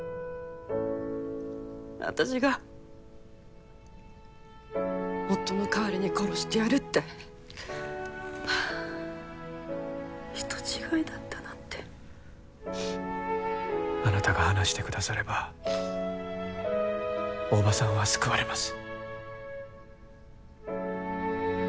私が夫の代わりに殺してやるってはあ人違いだったなんてあなたが話してくだされば大庭さんは救われます